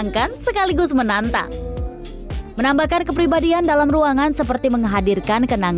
kepribadian dalam ruangan